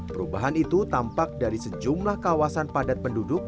perubahan itu tampak dari sejumlah kawasan padat penduduk